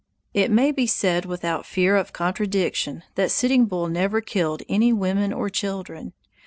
It may be said without fear of contradiction that Sitting Bull never killed any women or children.